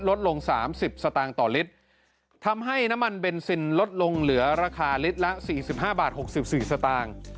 ลดลง๓๐สตางค์ต่อลิตรทำให้น้ำมันเบนซินลดลงเหลือราคาลิตรละ๔๕บาท๖๔สตางค์